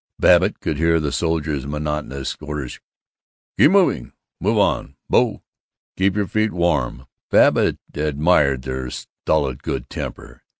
Babbitt could hear the soldiers' monotonous orders: "Keep moving move on, 'bo keep your feet warm!" Babbitt admired their stolid good temper.